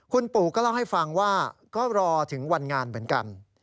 คุณปู่ก็เล่าให้ฟังว่าก็รอถึงวันงานเหมือนกัน